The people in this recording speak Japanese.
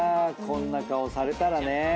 こんな顔されたらね。